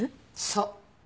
そう。